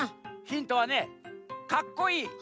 ヒントはねかっこいい。